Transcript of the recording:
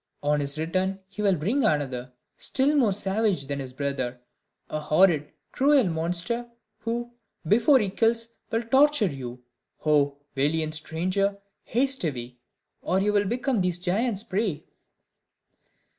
On his return he'll bring another, Still more savage than his brother; A horrid, cruel monster, who, Before he kills, will torture you. Oh valiant stranger! haste away, Or you'll become these giants' prey."